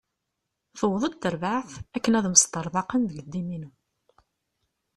Tewweḍ-d tarbaɛt akken ad mesṭarḍaqen deg dduminu.